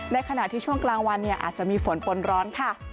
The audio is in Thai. ขณะที่ช่วงกลางวันเนี่ยอาจจะมีฝนปนร้อนค่ะ